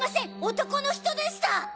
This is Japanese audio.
男の人でした！